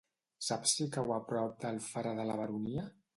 Saps si cau a prop d'Alfara de la Baronia?